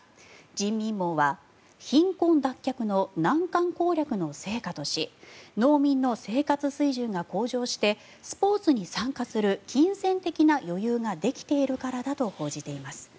人民網は貧困脱却の難関攻略の成果とし農民の生活水準が向上してスポーツに参加する金銭的な余裕ができているからだと報じています。